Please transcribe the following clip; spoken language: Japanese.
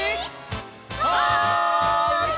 はい！